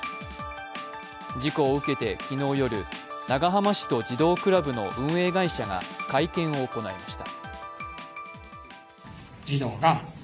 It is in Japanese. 事故を受けて昨日夜、長浜市と児童クラブの運営会社が会見を行いました。